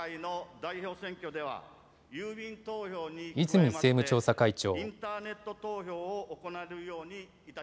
泉政務調査会長。